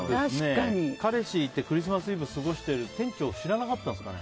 彼氏がいてクリスマスイブを過ごしているって店長、知らなかったんですかね。